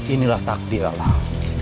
inilah takdir alam